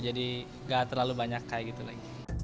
jadi gak terlalu banyak kayak gitu lagi